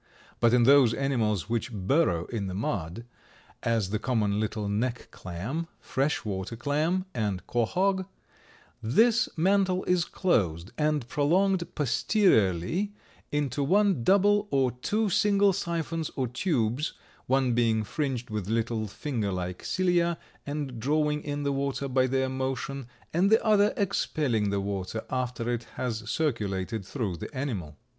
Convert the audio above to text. But in those animals which burrow in the mud, as the common little neck clam, fresh water clam and quahaug, this mantle is closed and prolonged posteriorly into one double or two single siphons or tubes, one being fringed with little finger like cilia and drawing in the water by their motion, and the other expelling the water after it has circulated through the animal.